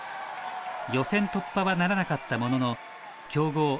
予選突破はならなかったものの強豪